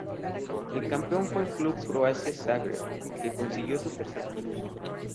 El campeón fue el club Croacia Zagreb que consiguió su tercer título.